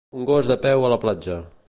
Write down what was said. Un gos de peu a la platja.